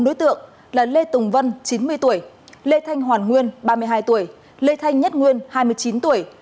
bốn đối tượng là lê tùng vân chín mươi tuổi lê thanh hoàn nguyên ba mươi hai tuổi lê thanh nhất nguyên hai mươi chín tuổi